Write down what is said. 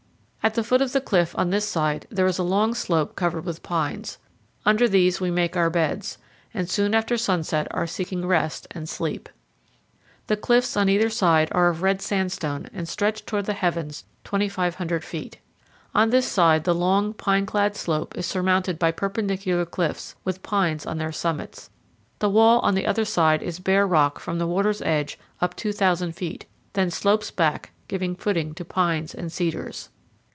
At the foot of the cliff on this side there is a long slope covered with pines; under these we make our beds, and soon after sunset are seeking rest and sleep. The cliffs on either side are of red sandstone and stretch toward the heavens 2,500 feet. On this side the long, pine clad slope is surmounted by perpendicular cliffs, with pines on their summits. The wall on the other side is bare rock from the water's edge up 2,000 feet, then slopes back, giving footing to pines and cedars.